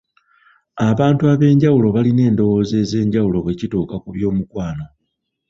Abantu ab'enjawulo balina endowooza ez'enjawulo bwe kituuka ku by'omukwano.